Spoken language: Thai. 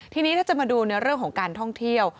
ทีนี้ถ้าจะมาดูในเรื่องของการท่องเที่ยว